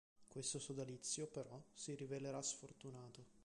Questo sodalizio, però, si rivelerà sfortunato.